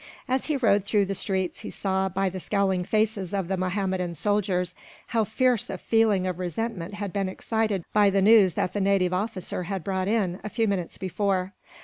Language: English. As he rode through the streets he saw, by the scowling faces of the Mahommedan soldiers, how fierce a feeling of resentment had been excited by the news that the native officer had brought in, a few minutes before.